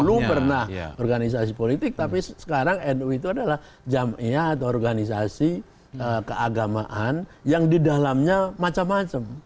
dulu pernah organisasi politik tapi sekarang nu itu adalah jamia atau organisasi keagamaan yang didalamnya macam macam